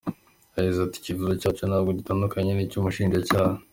Yagize ati “ Icyifuzo cyacu ntabwo gitandukanye n’icy’umushinjacyaha.